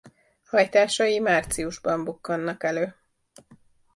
Hajtásai márciusban bukkannak elő.